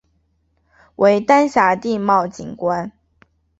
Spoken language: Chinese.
为丹霞地貌景观。